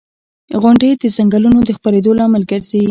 • غونډۍ د ځنګلونو د خپرېدو لامل ګرځي.